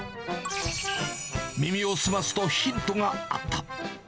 耳を澄ますとヒントがあった。